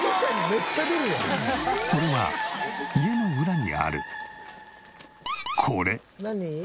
それは家の裏にあるこれ！